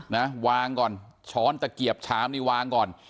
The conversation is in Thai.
นะวางก่อนช้อนตะเกียบชามนี่วางก่อน